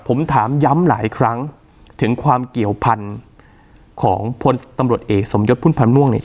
ผมถามย้ำหลายครั้งถึงความเกี่ยวพันธุ์ของพลตำรวจเอกสมยศพุ่มพันธ์ม่วงเนี่ย